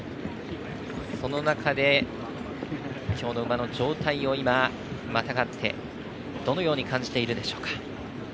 その中で、今日の馬の状態をまたがって、どのように感じているでしょうか。